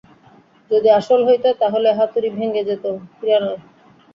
যদি আসল হইতো, তাইলে হাতুরী ভেঙে যেত, হীরা নয়।